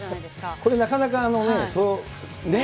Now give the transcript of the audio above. これ、なかなか、そのね。